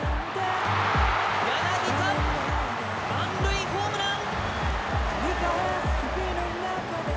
柳田、満塁ホームラン。